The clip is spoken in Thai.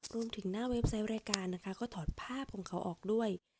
รวมถึงหน้าเว็บไซต์รายการนะคะก็ถอดภาพของเขาออกด้วย